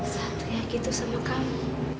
satria gitu sama kamu